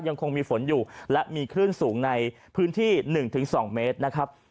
ยังคงมีฝนอยู่และมีคลื่นสูงในพื้นที่๑๒เมตรนะครับ